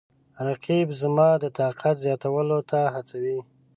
رقیب زما د طاقت زیاتولو ته هڅوي